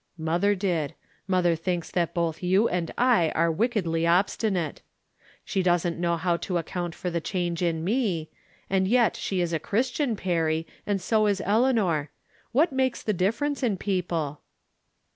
" Mother did. Mother thinks that both you and I are wickedly obstinate. She doesn't know how to account for the change in me ; and yet she is a Christian, Perry, and so is Eleanor. What makes the difference in people